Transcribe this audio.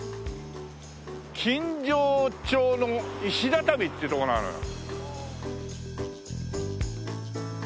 金城町の石畳っていうとこなのよ。